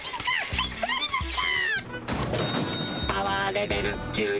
はいふられました！